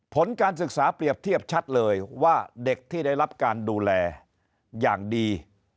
ผลการศึกษาเปรียบเทียบชัดเลยว่าเด็กที่ได้รับการดูแลอย่างดี